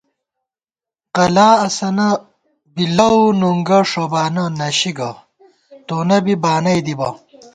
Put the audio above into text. قلا اسَنہ بی لَؤ نُنگہ ݭوبانہ نَشی گہ تونہ بی بانَئ دِبہ